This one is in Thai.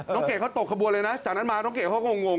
เกดเขาตกขบวนเลยนะจากนั้นมาน้องเกดเขาก็คงง